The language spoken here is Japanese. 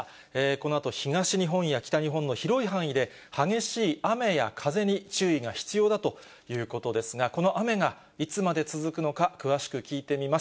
このあと東日本や北日本の広い範囲で、激しい雨や風に注意が必要だということですが、この雨がいつまで続くのか、詳しく聞いてみます。